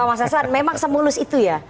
mas hasan memang semulus itu ya